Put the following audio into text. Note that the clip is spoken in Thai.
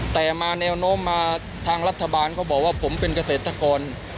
แต่มาแนวโน้มมาทางรัฐบาลเขาบอกว่าผมเป็นเกษตรกร